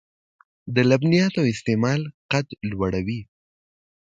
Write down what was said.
د لبنیاتو استعمال قد لوړوي .